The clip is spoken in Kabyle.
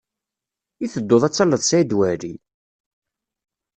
I tedduḍ ad talleḍ Saɛid Waɛli?